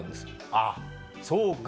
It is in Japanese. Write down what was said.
あっそうか。